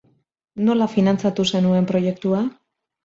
Nola finantzatu zenuen proiektua?